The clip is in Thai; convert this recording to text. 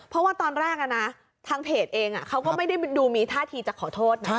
เพราะว่าตอนแรกนะทางเพจเองเขาก็ไม่ได้ดูมีท่าทีจะขอโทษนะ